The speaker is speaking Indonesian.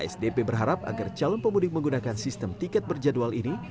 sdp berharap agar calon pemudik menggunakan sistem tiket berjadwal ini